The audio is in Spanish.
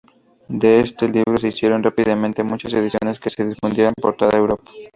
De este libro se hicieron rápidamente muchas ediciones que se difundieron por toda Europa.